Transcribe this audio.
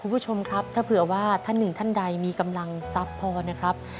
คุณผู้ชมครับถ้าเผื่อว่าท่านหนึ่งท่านใดมีกำลังทรัพย์พอนะครับ